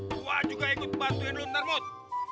gue juga ikut bantuin lu ntar mut